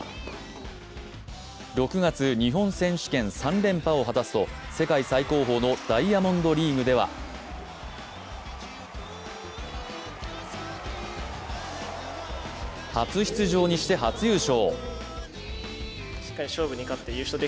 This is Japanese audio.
６月、日本選手権３連覇を果たすと世界最高峰のダイヤモンドリーグでは初出場にして初優勝。